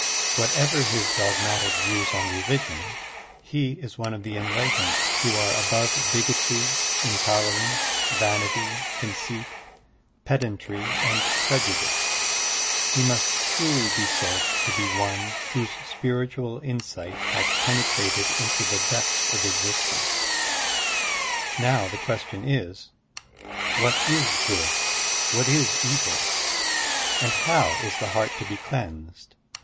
What ever his dogmatic views on religion, he is one of the enlightened who are above bigotry^ intol erance, vanity, conceit, pedantry, and prejudice. He must truly be said to be one whose spiritual Digitized by Google BUDDHIST ETHICS 71 insight has penetrated into the depths of exist ence. Now, the question is: What is good? What is evil? And how is the heart to be cleansed?